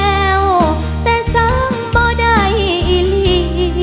แล้วแต่ซ้ำบ่ดัยอีหลี